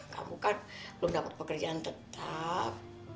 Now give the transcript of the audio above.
kamu kan belum dapat pekerjaan tetap